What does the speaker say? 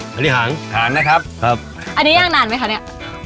บริหารหางนะครับครับอันนี้ย่างนานไหมคะเนี่ย